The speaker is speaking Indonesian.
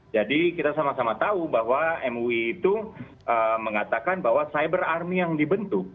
jadi kita sama sama tahu bahwa mui itu mengatakan bahwa cyber army yang dibentuk